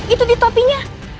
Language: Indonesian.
itu di topinya